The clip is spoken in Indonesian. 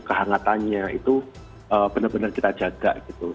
kehangatannya itu benar benar kita jaga gitu